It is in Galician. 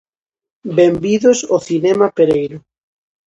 Benvidos ao cinema Pereiro.